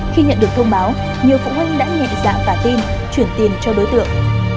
khi nhận được thông báo nhiều phụ huynh đã nhẹ dạng cả tin chuyển tiền cho đối tượng